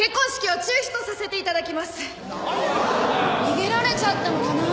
逃げられちゃったのかな。